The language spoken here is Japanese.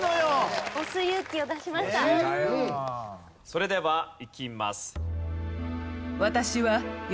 それではいきます。